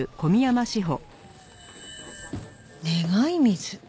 「願い水」。